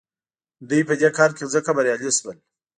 دوی په دې کار کې ځکه بریالي شول.